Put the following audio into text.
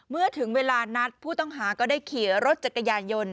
เมื่อถึงเวลานัดผู้ต้องหาก็ได้ขี่รถจักรยานยนต์